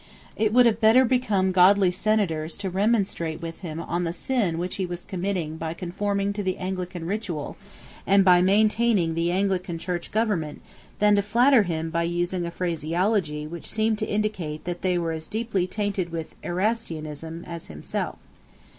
It would have better become godly senators to remonstrate with him on the sin which he was committing by conforming to the Anglican ritual, and by maintaining the Anglican Church government, than to flatter him by using a phraseology which seemed to indicate that they were as deeply tainted with Erastianism as himself.